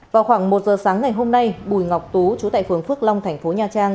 vào khoảng một giờ sáng ngày hôm nay bùi ngọc tú chú tại phường phước long tp nha trang